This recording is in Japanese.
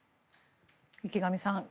池上さん